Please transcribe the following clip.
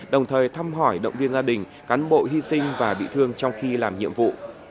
đồng thời thăm hỏi động viên gia đình cán bộ hy sinh và bị thương trong khi làm nhiệm vụ